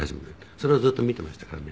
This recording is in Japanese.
それをずっと見ていましたからね。